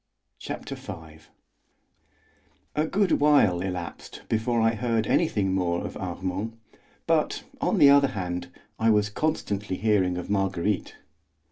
Chapter V A good while elapsed before I heard anything more of Armand, but, on the other hand, I was constantly hearing of Marguerite.